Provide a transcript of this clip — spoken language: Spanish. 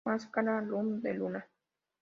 Máscara Luz de Luna!